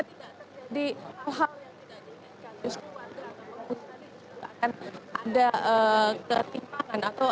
di hal hal yang tidak diinginkan justru